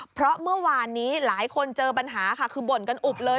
เพราะเมื่อวานนี้หลายคนเจอปัญหาค่ะคือบ่นกันอุบเลย